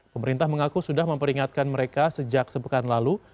pemerintah mengaku sudah memperingatkan mereka sejak sepekan lalu